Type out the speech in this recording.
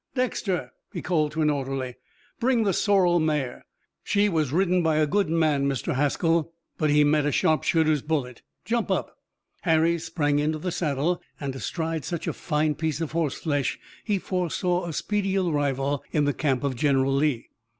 "Dexter," he called to an orderly, "bring the sorrel mare. She was ridden by a good man, Mr. Haskell, but he met a sharpshooter's bullet. Jump up." Harry sprang into the saddle, and, astride such a fine piece of horseflesh, he foresaw a speedy arrival in the camp of General Lee.